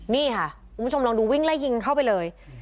นี่ค่ะคุณผู้ชมลองดูวิ่งไล่ยิงเข้าไปเลย